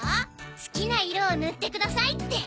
好きな色を塗ってくださいって。